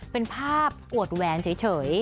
เป็นภาพอวดแหวนเฉย